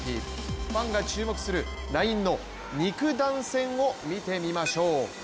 ファンが注目するラインの肉弾戦を見てみましょう。